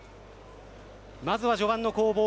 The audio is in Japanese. まず序盤の攻防